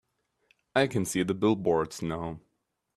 I can see the billboards now.